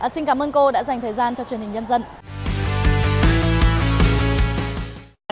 xin cảm ơn cô đã dành thời gian cho truyền hình nhân dân